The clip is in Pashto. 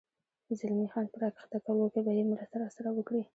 زلمی خان په را کښته کولو کې به یې مرسته راسره وکړې؟